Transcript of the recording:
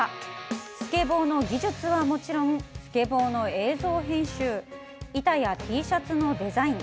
スケボーの技術はもちろんスケボーの映像編集板やＴシャツのデザイン